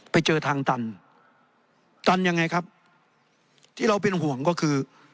ไปเจอทางตันตันยังไงครับที่เราเป็นห่วงก็คือ